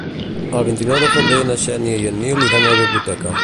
El vint-i-nou de febrer na Xènia i en Nil iran a la biblioteca.